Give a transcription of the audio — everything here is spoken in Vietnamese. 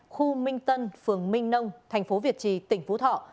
khu minh tân phường minh nông thành phố việt trì tỉnh phú thọ